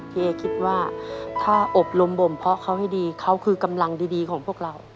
เอคิดว่าถ้าอบรมบ่มเพาะเขาให้ดีเขาคือกำลังดีของพวกเรา